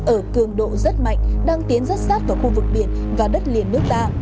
ở cường độ rất mạnh đang tiến rất sát vào khu vực biển và đất liền nước ta